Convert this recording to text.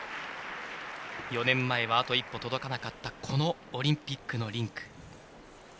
４年前はあと一歩届かなかったこのオリンピックのリンク。